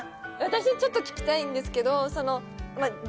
私ちょっと聞きたいんですけどまあ